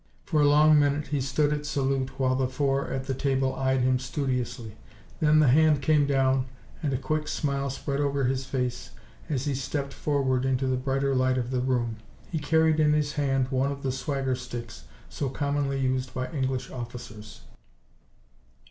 For a long minute he stood at salute while the four at the table eyed him studiously. Then the hand came down, and a quick smile spread over his face as he stepped forward into the brighter light of the room. He carried in his hand one of the swagger sticks so commonly used by English officers.